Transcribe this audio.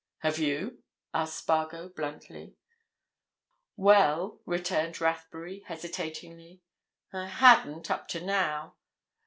"Have you?" asked Spargo, bluntly. "Well," returned Rathbury, hesitatingly, "I hadn't, up to now.